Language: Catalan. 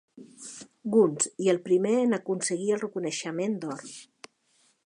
Guns, i el primer en aconseguir el reconeixement d'or.